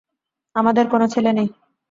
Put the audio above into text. আমাদের কোনো ছেলে নেই।